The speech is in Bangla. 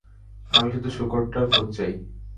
আমি শুধু শূকরটার খোঁজ চাই।